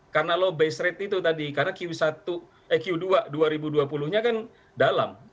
karena low base rate itu tadi karena q dua dua ribu dua puluh nya kan dalam